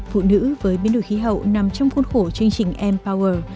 phụ nữ với biến đổi khí hậu nằm trong khuôn khổ chương trình empower